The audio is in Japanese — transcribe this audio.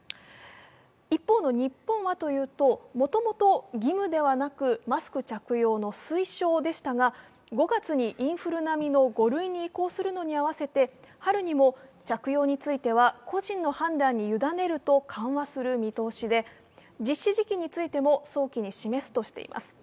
一方の日本はというと、もともと義務ではなくマスク着用の推奨でしたが５月にインフル並みの５類に移行するのに合わせて春にも着用については、個人の判断に委ねると緩和する見通しで実施時期についても早期に示すとしています。